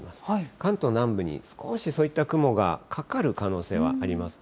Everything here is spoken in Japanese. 関東南部に少しそういった雲がかかる可能性はありますね。